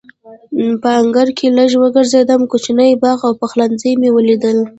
په انګړ کې لږ وګرځېدم، کوچنی باغ او پخلنځی مې ولیدل.